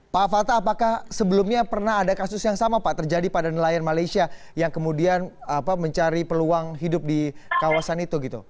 pak fatah apakah sebelumnya pernah ada kasus yang sama pak terjadi pada nelayan malaysia yang kemudian mencari peluang hidup di kawasan itu gitu